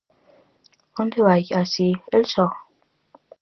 Onde vai así, el só?